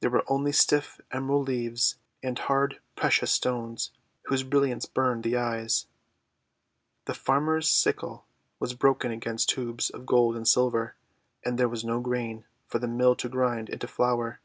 There were only stiff emerald leaves and hard precious stones, whose brilliance burned the eyes. The farmer's sickle was broken against tubes of gold and silver, and there was no grain for the mill to grind into flour.